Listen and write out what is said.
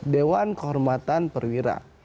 dewan kehormatan perwira